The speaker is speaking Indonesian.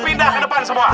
pindah ke depan semua